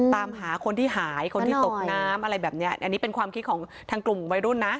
ตามหาคนที่หายคนที่ตกน้ำอะไรแบบนี้อันนี้เป็นความคิดของทางกลุ่มวัยรุ่นนะ